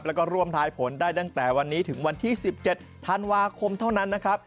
แล้วก็ร่วมทายผลได้ตั้งแต่วันนี้ถึงวันที่๑๗ธันวาคมเท่านั้นนะครับ